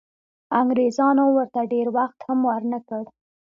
انګریزانو ورته ډېر وخت هم ورنه کړ.